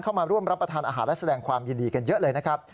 เข้ามาร่วมรับประทานอาหารและแสดงความยินดีกันเยอะเลยนะครับ